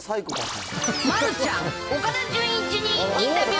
まるちゃん、岡田准一にインタビュー。